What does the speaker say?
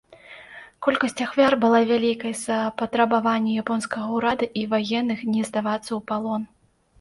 Колькасць ахвяр была вялікай з-за патрабавання японскага ўрада і ваенных не здавацца ў палон.